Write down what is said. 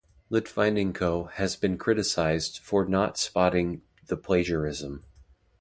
Litvinenko has been criticised for not spotting the plagiarism.